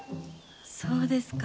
そうですか。